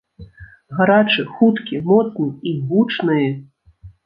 Гарачы, хуткі, моцны і гучны!!